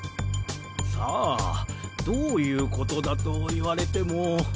さぁどういう事だと言われても。